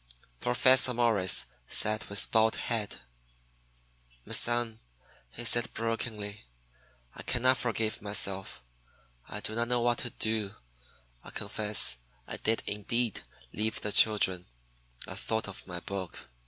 Professor Morris sat with bowed head. "My son," he said brokenly, "I can not forgive myself. I do not know what to do. I confess I did indeed leave the children. I thought of my book.